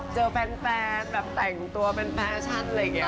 เจอแฟนแบบแต่งตัวเป็นแฟชั่นอะไรอย่างนี้